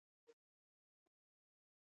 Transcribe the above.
کاشکي یو څوک لکه، د نورو په شان